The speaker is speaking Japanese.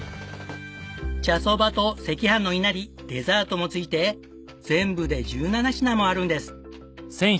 茶そばと赤飯のいなりデザートも付いて全部で１７品もあるんです。